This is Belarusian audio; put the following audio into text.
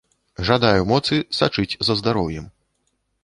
Жадаю моцы сачыць за здароўем!